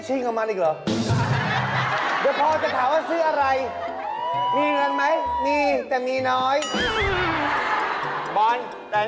เฉพาะคนเดียวไม่มีตังค์ไหม